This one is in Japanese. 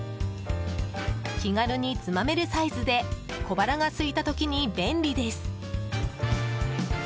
気軽につまめるサイズで小腹がすいたときに便利です。